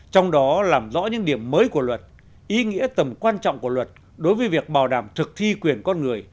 trong đó làm rõ những điểm mới của luật ý nghĩa tầm quan trọng của luật đối với việc bảo đảm thực thi quyền con người